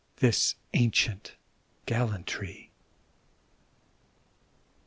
— ^this ancient gallantry!